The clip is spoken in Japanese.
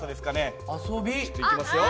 ちょっといきますよ。